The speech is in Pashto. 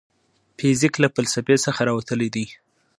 فزیک له فلسفې څخه راوتلی دی.